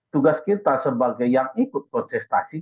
tugas kita sebagai yang ikut kontestasi